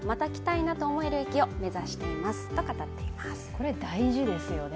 これ大事ですよね。